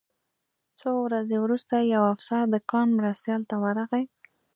څو ورځې وروسته یو افسر د کان مرستیال ته ورغی